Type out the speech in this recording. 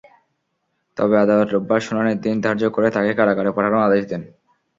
তবে আদালত রোববার শুনানির দিন ধার্য করে তাঁকে কারাগারে পাঠানোর আদেশ দেন।